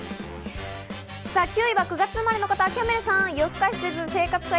９位は９月生まれの方、キャンベルさん。